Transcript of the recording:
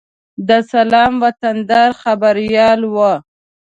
د سلام وطندار خبریال و.